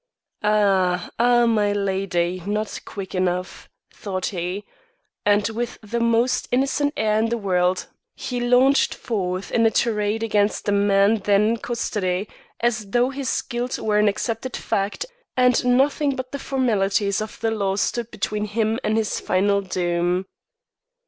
"Ah, ah, my lady, not quick enough!" thought he; and, with the most innocent air in the world, he launched forth in a tirade against the man then in custody, as though his guilt were an accepted fact and nothing but the formalities of the law stood between him and his final doom.